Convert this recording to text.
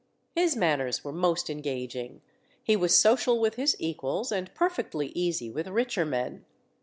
His manners were most engaging, he was social with his equals, and perfectly easy with richer men.